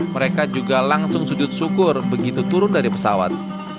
mereka juga langsung sujud syukur begitu turun dari pesawat